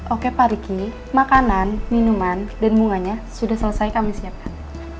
oke pak riki makanan minuman dan bunganya sudah selesai kami siapkan